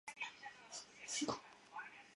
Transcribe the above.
屈埃拉。